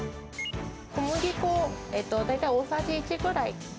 小麦粉を大体大さじ１ぐらい。